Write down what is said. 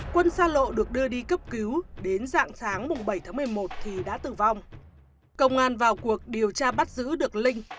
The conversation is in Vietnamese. quân xa lộ được đưa đi cấp cứu đến dạng sáng bảy một mươi một thì đã tử vong công an vào cuộc điều tra bắt giữ được linh